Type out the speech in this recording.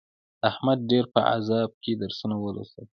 احمد ډېر په عذاب کې درسونه ولوستل.